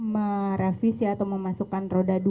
merevisi atau memasukkan roda dua